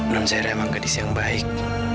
nenek zaira memang gadis yang baik